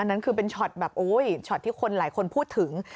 นั่นคือเป็นช็อตแบบโอ้ยช็อตที่คนหลายคนพูดถึง